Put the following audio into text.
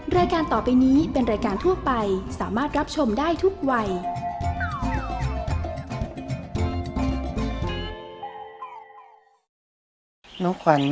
รายการต่อไปนี้เป็นรายการทั่วไปสามารถรับชมได้ทุกวัย